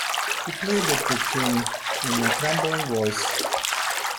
She pleaded with him, in a trembling voice.